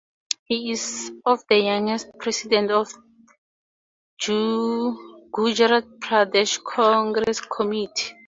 He is one of the youngest President of Gujarat Pradesh Congress Committee.